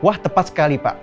wah tepat sekali pak